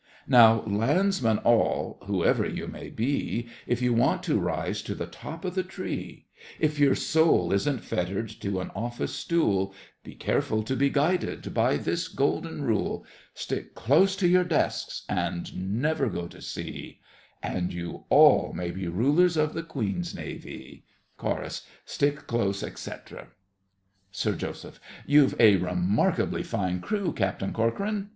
Now landsmen all, whoever you may be, If you want to rise to the top of the tree, If your soul isn't fettered to an office stool, Be careful to be guided by this golden rule— Stick close to your desks and never go to sea, And you all may be rulers of the Queen's Navee! CHORUS.—Stick close, etc. SIR JOSEPH. You've a remarkably fine crew, Captain Corcoran.